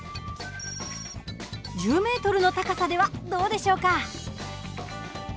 １０ｍの高さではどうでしょうか？